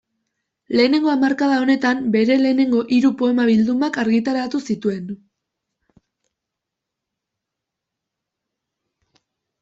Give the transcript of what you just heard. Lehenengo hamarkada honetan bere lehenengo hiru poema-bildumak argitaratu zituen.